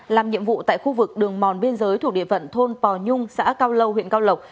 làm nhiệm vụ tại khu vực đường mòn biên giới thuộc địa phận thôn pò nhung xã cao lâu huyện cao lộc